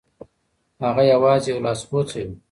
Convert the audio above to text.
هغه یوازې یو لاسپوڅی و.